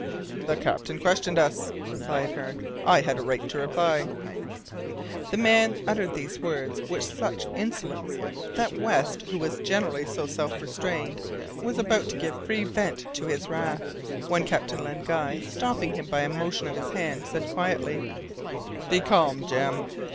"The captain questioned us," replied Hearne. "I had a right to reply." The man uttered these words with such insolence that West, who was generally so self restrained, was about to give free vent to his wrath, when Captain Len Guy, stopping him by a motion of his hand, said quietly, "Be calm, Jem.